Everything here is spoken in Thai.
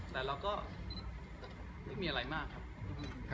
แต่เราก็ไม่มีอะไรมากครับ